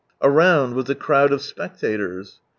Around was a crowd of spectators.